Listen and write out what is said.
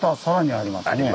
あります。